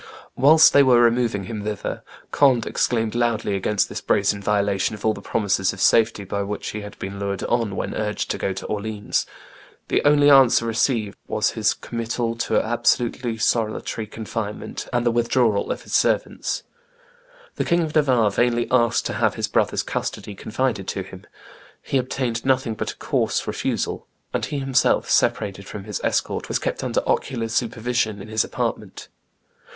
Whilst they were removing him thither, Conde exclaimed loudly against this brazen violation of all the promises of safety by which he had been lured on when urged to go to Orleans. The only answer he received was his committal to absolutely solitary confinement and the withdrawal of his servants. The King of Navarre vainly asked to have his brother's custody confided to him; he obtained nothing but a coarse refusal; and he himself, separated from his escort, was kept under ocular supervision in his apartment."